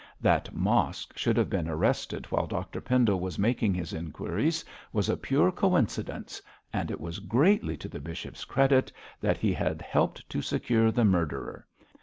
That Mosk should have been arrested while Dr Pendle was making his inquiries was a pure coincidence, and it was greatly to the bishop's credit that he had helped to secure the murderer.